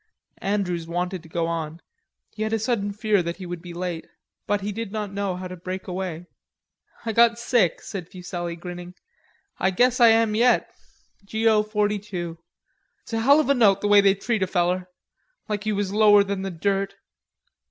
Andrews wanted to go on. He had a sudden fear that he would be late. But he did not know how to break away. "I got sick," said Fuselli grinning. "I guess I am yet, G. O. 42. It's a hell of a note the way they treat a feller... like he was lower than the dirt."